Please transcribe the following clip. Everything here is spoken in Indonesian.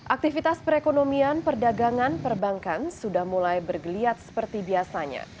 aktivitas perekonomian perdagangan perbankan sudah mulai bergeliat seperti biasanya